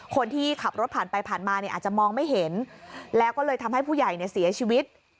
คนที่ขับรถผ่านไปผ่านมาเนี่ยอาจจะมองไม่เห็นแล้วก็เลยทำให้ผู้ใหญ่เนี่ยเสียชีวิต